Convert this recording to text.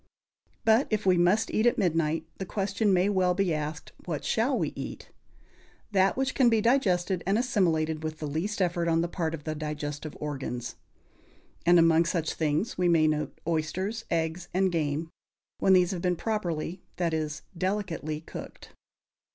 But, if we must eat at midnight, the question may well be asked, What shall we eat? That which can be digested and assimilated with the least effort on the part of the digestive organs. And among such things we may note oysters, eggs and game, when these have been properly that is, delicately cooked.